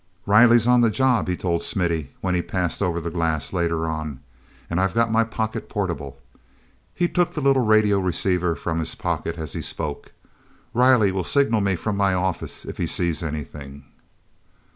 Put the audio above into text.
"Riley's on the job," he told Smithy when he passed over the glass later on. "And I've got my pocket portable." He took the little radio receiver from his pocket as he spoke. "Riley will signal me from my office if he sees anything."